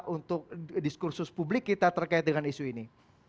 untuk diskursus publik kita terkait dengan isu ini